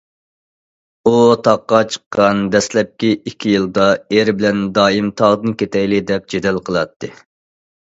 ئۇ تاغقا چىققان دەسلەپكى ئىككى يىلدا ئېرى بىلەن دائىم تاغدىن كېتەيلى، دەپ جېدەل قىلاتتى.